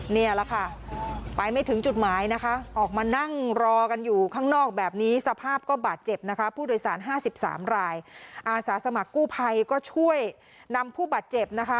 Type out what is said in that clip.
นี่แหละค่ะไปไม่ถึงจุดหมายนะคะออกมานั่งรอกันอยู่ข้างนอกแบบนี้สภาพก็บาดเจ็บนะคะผู้โดยสาร๕๓รายอาสาสมัครกู้ภัยก็ช่วยนำผู้บาดเจ็บนะคะ